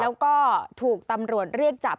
แล้วก็ถูกตำรวจเรียกจับ